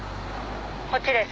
「こっちです」